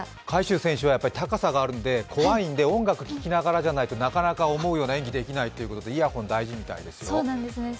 海祝選手は高さがあるんで、怖いんで、音楽を聴きながらじゃないと思うような演技ができないということでイヤホンが大事みたいですよ。